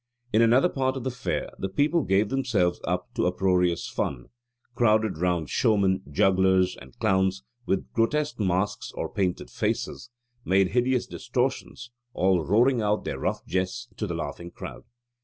In another part of the fair the people gave themselves up to uproarious fun, crowded round showmen, jugglers, and clowns with grotesque masks or painted faces, making hideous distortions, all roaring out their rough jests to the laughing crowd.